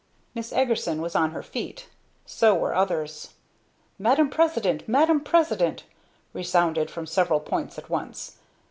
Miss Eagerson was on her feet. So were others. "Madam President! Madam President!" resounded from several points at once.